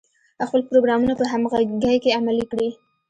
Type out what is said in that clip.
خپل پروګرامونه په همغږۍ کې عملي کړي.